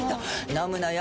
飲むのよ